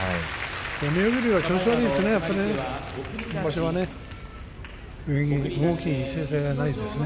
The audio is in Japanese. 妙義龍は調子悪いですね